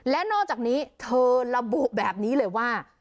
และนอกจากนี้เธอระบุแบบนี้เลยว่า